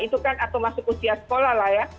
itu kan atau masuk usia sekolah lah ya